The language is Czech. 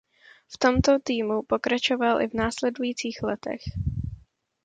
V tomto týmu pokračoval i v následujících letech.